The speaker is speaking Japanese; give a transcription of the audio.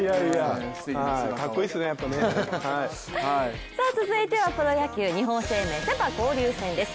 かっこいいっすね、やっぱね続いてはプロ野球日本生命セ・パ交流戦です。